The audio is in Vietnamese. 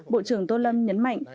bộ trưởng tôn lâm nhấn mạnh